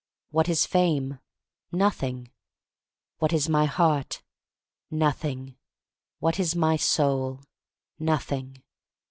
What is fame? Nothing. What is my heart? Nothing. What is my soul? Nothing.